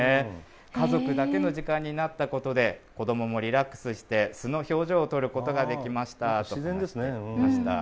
家族だけの時間になったことで、子どももリラックスして、素の表情を撮ることができましたとおっ自然ですね。